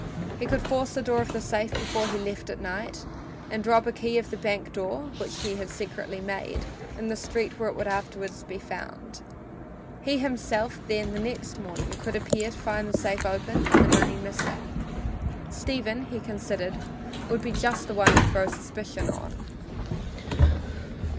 He could force the door of the safe before he left at night, and drop a key of the bank door, which he had secretly made, in the street where it would afterward be found. He himself, then, next morning, could appear to find the safe open and the money missing. Stephen, he considered, would be just the one to throw suspicion upon.